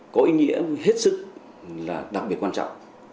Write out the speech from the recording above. có ý nghĩa hết sức là đặc biệt quan trọng